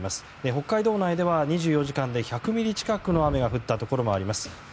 北海道内では２４時間で１００ミリ近くの雨が降ったところもあります。